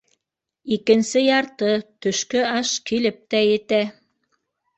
Икенсе ярты —төшкө аш —килеп тә етә!